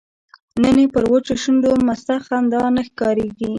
نن یې پر وچو شونډو مسته خندا نه ښکاریږي